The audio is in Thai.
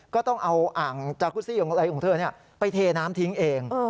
ก็ต้องเอาอ่างจากุซี่ของอะไรของเธอไปเทน้ำทิ้งเอง